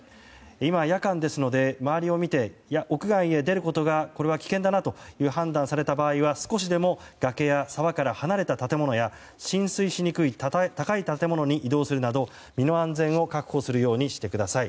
今、夜間ですので周りを見て屋外へ出ることが危険だと判断された場合は少しでも崖や沢から離れた建物や浸水しにくい高い建物に移動するなど身の安全を確保するようにしてください。